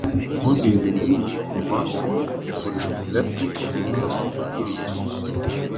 Ntuzigere wipompa. Kureka gato kumunsi ukurikira.